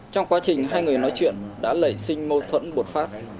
trong quá trình hai người nói chuyện đã nảy sinh mâu thuẫn bột phát